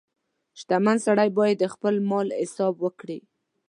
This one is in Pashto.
• شتمن سړی باید د خپل مال حساب وکړي.